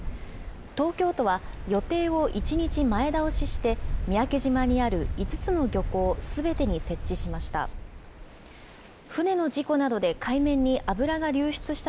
東京都は、予定を１日前倒しして、三宅島にある５つの漁港すべてに設置しました。